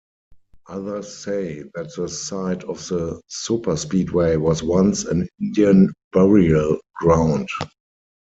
Others say that the site of the superspeedway was once an Indian burial ground.